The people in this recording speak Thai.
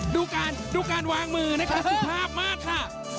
ดูการวางมือนะคะสุภาพมากค่ะ